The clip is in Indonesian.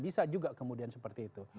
bisa juga kemudian seperti itu